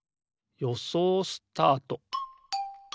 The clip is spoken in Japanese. よそうスタート！